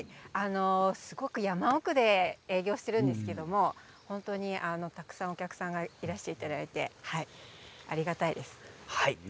すごく山奥で営業しているんですけどたくさんお客さんがいらしていただいてありがたいです。